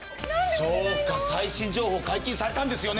そうか最新情報解禁されたんですよね！